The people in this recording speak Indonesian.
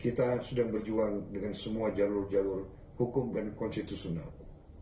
kita sedang berjuang dengan semua jalur jalur hukum dan konstitusional